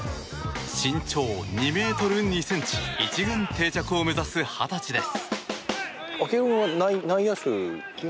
身長２ｍ２ｃｍ１軍定着を目指す二十歳です。